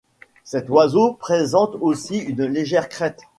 Cet oiseau présente aussi une légère crête.